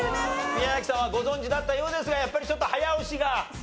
宮崎さんはご存じだったようですがやっぱりちょっと早押しが。